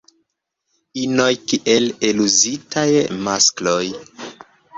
Inoj kiel eluzitaj maskloj.